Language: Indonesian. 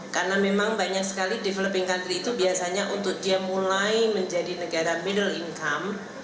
karena memang banyak sekali developing countries itu biasanya untuk dia mulai menjadi negara middle income